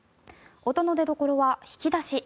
音の出どころは引き出し。